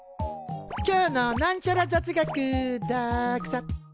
今日のなんちゃら雑学ＤＡＸＡ。